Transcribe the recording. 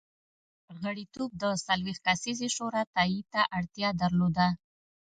غړیتوب د څلوېښت کسیزې شورا تایید ته اړتیا درلوده